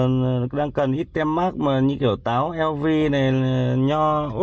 nó không đa dạng phong phú